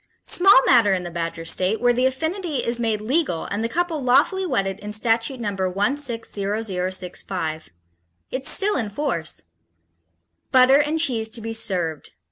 Small matter in the Badger State when the affinity is made legal and the couple lawfully wedded in Statute No. 160,065. It's still in force: _Butter and cheese to be served.